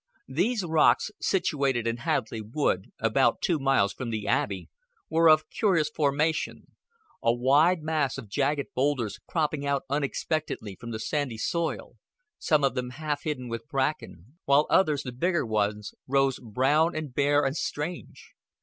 These rocks, situated in Hadleigh Wood, about two miles from the Abbey, were of curious formation a wide mass of jagged boulders cropping out unexpectedly from the sandy soil, some of them half hidden with bracken, while others, the bigger ones, rose brown and bare and strange.